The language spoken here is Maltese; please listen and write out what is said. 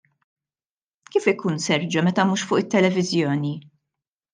Kif ikun Sergio meta mhux fuq it-televiżjoni?